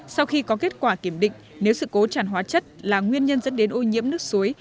sau khi có kết quả kiểm định nếu sự cố tràn hóa chất là nguyên nhân dẫn đến ô nhiễm nước suối